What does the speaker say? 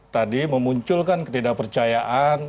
tadi memunculkan ketidakpercayaan